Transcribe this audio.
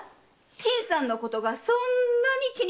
新さんのことがそんなに気になるんですか？